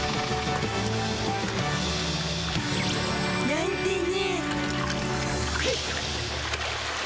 なんてね。